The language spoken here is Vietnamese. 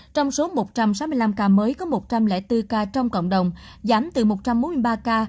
trong số một trăm sáu mươi năm ca mới có một trăm linh bốn ca trong cộng đồng giảm từ một trăm bốn mươi ba ca